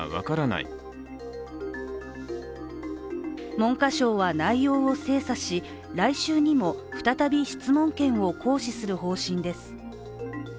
文科省は内容を精査し、来週にも再び質問権を行使する方針です。